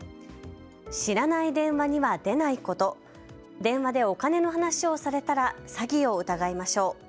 知らない電話には出ないこと、電話でお金の話をされたら詐欺を疑いましょう。